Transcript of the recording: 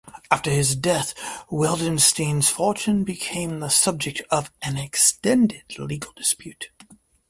After his death, Wildenstein's fortune became the subject of an extended legal dispute.